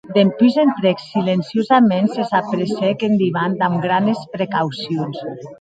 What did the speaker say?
Dempús entrèc silenciosaments e s’apressèc en divan damb granes precaucions.